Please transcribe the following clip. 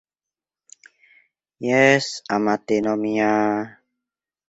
Jes, amatino mia